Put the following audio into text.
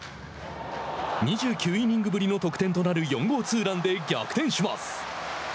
２９イニングぶりの得点となる４号ツーランで逆転します。